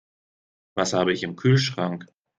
Was habe ich im Kühlschrank?